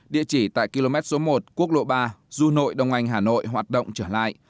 địa chỉ tại km số một quốc lộ ba du nội đông anh hà nội hoạt động trở lại